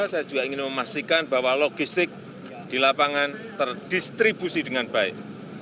saya juga ingin memastikan bahwa logistik di lapangan terdistribusi dengan baik